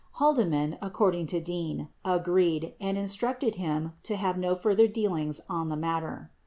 Haldeman, according to Dean, agreed and instructed him to have no further dealings on the matter.